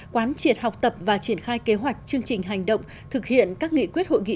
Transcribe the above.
quán triệt học tập và triển khai kế hoạch chương trình hành động thực hiện các nghị quyết hội nghị